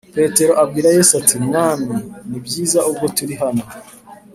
Petero abwira Yesu ati “Mwami, ni byiza ubwo turi hano